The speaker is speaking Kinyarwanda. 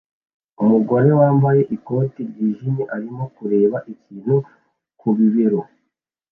Umugore wambaye ikote ryijimye arimo kureba ikintu ku bibero